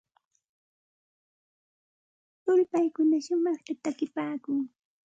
Ulpaykuna shumaqta takipaakun.